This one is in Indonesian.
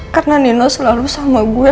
karena nino selalu sama gue